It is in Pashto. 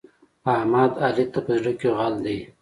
احمد؛ علي ته په زړه کې غل دی.